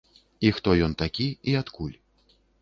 І хто ён такі і адкуль?